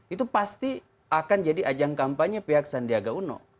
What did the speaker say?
itu pasti akan jadi ajang kampanye pihak sandiaga uno